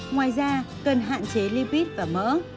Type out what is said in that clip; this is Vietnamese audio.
ngoài ra cần hạn chế lipid và mỡ